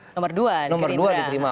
nomor dua dikerima